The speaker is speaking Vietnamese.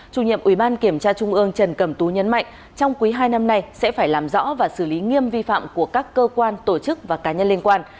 chủ nhiệm ủy ban kiểm tra trung ương trần cẩm tú nhấn mạnh trong quý hai năm nay sẽ phải làm rõ và xử lý nghiêm vi phạm của các cơ quan tổ chức và cá nhân liên quan